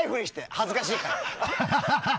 恥ずかしいから。